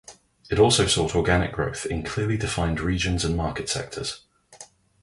It also sought organic growth in clearly defined regions and market sectors.